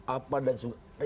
apa dan sebagainya